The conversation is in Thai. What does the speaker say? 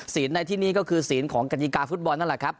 ในที่นี่ก็คือศีลของกฎิกาฟุตบอลนั่นแหละครับ